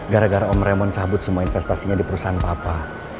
gara gara om ramon cabut semua investasinya di perusahaan papa